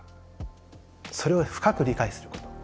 それを深く理解すること。